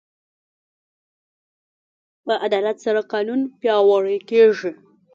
په عدالت سره قانون پیاوړی کېږي.